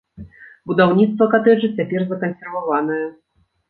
Будаўніцтва катэджа цяпер закансерваванае.